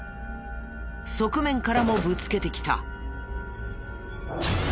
側面からもぶつけてきた。